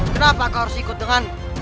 kenapa kau harus ikut dengan